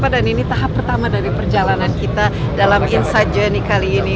dan ini tahap pertama dari perjalanan kita dalam insight journey kali ini